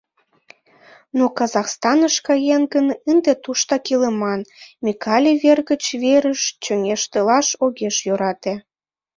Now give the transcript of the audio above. Но Казахстаныш каен гын, ынде туштак илыман, Микале вер гыч верыш чоҥештылаш огеш йӧрате.